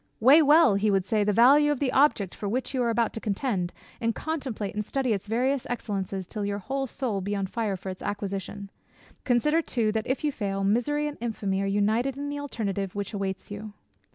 "Weigh well (he would say) the value of the object for which you are about to contend, and contemplate and study its various excellences, till your whole soul be on fire for its acquisition. Consider too, that, if you fail, misery and infamy are united in the alternative which awaits you.